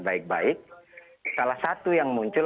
ketika kami melihat pemerintahan menengah